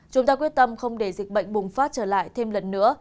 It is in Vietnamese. chúng ta quyết tâm không để dịch bệnh bùng phát trở lại thêm lần nữa